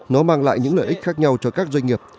nó mang lại những lợi ích khác nhau cho các doanh nghiệp